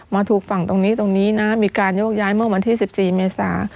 มาถูกฝั่งตรงนี้ตรงนี้นะมีการโยกย้ายเมื่อวันที่๑๔เมษา